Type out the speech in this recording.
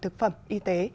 thực phẩm y tế